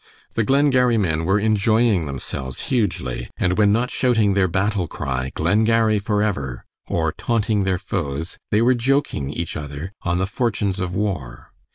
The Glengarry men were enjoying themselves hugely, and when not shouting their battle cry, "Glengarry forever!" or taunting their foes, they were joking each other on the fortunes of war.